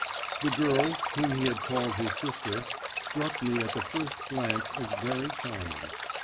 The girl, whom he had called his sister, struck me at the first glance as very charming.